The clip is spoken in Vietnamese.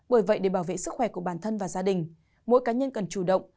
bởi vậy để bảo vệ sức khỏe của bản thân và gia đình mỗi cá nhân cần chủ động